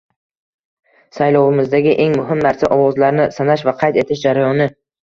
Saylovimizda eng muhim narsa - ovozlarni sanash va qayd etish jarayoni!